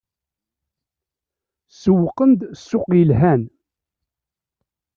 Sewwqen-d ssuq yelhan.